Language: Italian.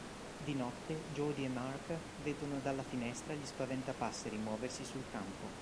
Di notte Jodie e Mark vedono dalla finestra gli Spaventapasseri muoversi sul campo.